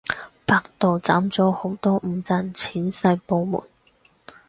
百度斬咗好多唔賺錢細部門